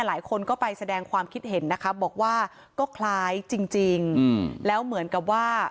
หลายคนก็ไปแสดงความคิดเห็นนะคะบอกว่าก็คล้ายจริงแล้วเหมือนกับว่า